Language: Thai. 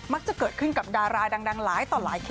จะเกิดขึ้นกับดาราดังหลายต่อหลายคน